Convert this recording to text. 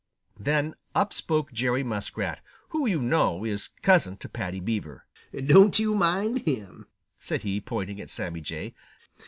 Then up spoke Jerry Muskrat, who, you know, is cousin to Paddy the Beaver. "Don't you mind him," said he, pointing at Sammy Jay.